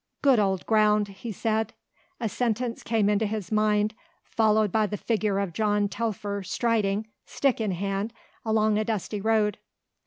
"Good old ground," he said. A sentence came into his mind followed by the figure of John Telfer striding, stick in hand, along a dusty road.